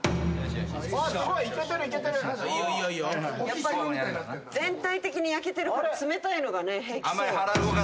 やっぱり全体的に焼けてるから冷たいのが平気そう。